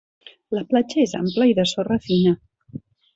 La platja és ampla i de sorra fina.